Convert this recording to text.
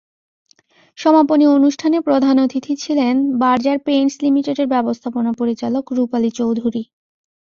সমাপনী অনুষ্ঠানে প্রধান অতিথি ছিলেন বার্জার পেইন্টস লিমিটেডের ব্যবস্থাপনা পরিচালক রুপালি চৌধুরী।